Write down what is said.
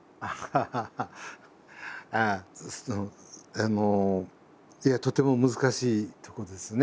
ああいやとても難しいとこですね。